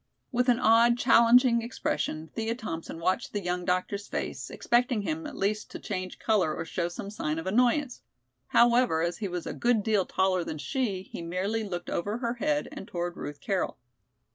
With an odd, challenging expression, Thea Thompson watched the young doctor's face, expecting him at least to change color or show some sign of annoyance. However, as he was a good deal taller than she, he merely looked over her head and toward Ruth Carroll.